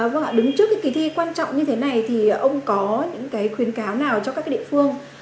vâng ạ đứng trước cái kỳ thi quan trọng như thế này thì ông có những khuyến cáo nào cho các địa phương